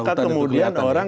maka kemudian orang